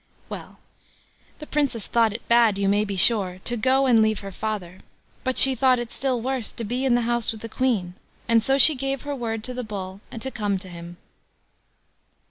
Well, the Princess thought it bad, you may be sure, to go and leave her father, but she thought it still worse to be in the house with the Queen; and so she gave her word to the Bull to come to him.